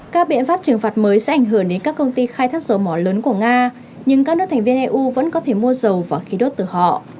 các biện pháp trừng phạt mới sẽ ảnh hưởng đến các công ty khai thác dầu mỏ lớn của nga nhưng các nước thành viên eu vẫn có thể mua dầu và khí đốt từ họ